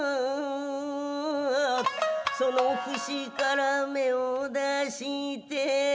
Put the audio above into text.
「その節から芽を出して」